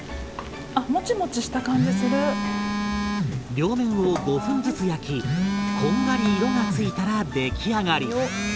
両面を５分ずつ焼きこんがり色が付いたら出来上がり。